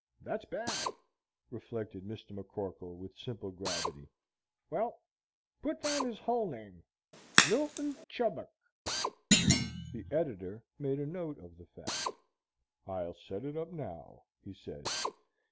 Thet's bad," reflected Mr. McCorkle with simple gravity. "Well, put down his hull name, Milton Chubbuck." The editor made a note of the fact. "I'll set it up now," he said.